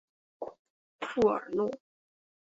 富尔诺。